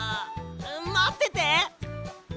まってて！